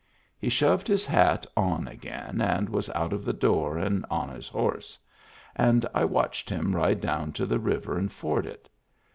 He shoved his hat on again and was put of the door and on his horse ; and I watched him ride down to the river and ford it.